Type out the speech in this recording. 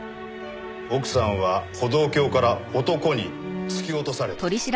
奥さんは歩道橋から男に突き落とされたと。